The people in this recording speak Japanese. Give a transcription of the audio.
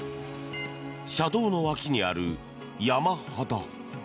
車道の脇にある山肌。